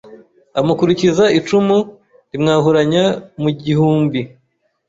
amukurikiza icumu rimwahuranya mu gihumbi